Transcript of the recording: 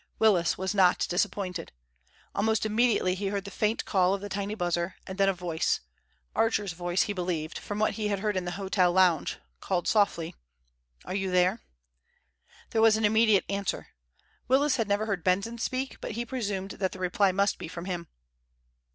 Willis was not disappointed. Almost immediately he heard the faint call of the tiny buzzer, and then a voice—Archer's voice, he believed, from what he had heard in the hotel lounge called softly, "Are you there?" There was an immediate answer. Willis had never heard Benson speak, but he presumed that the reply must be from him.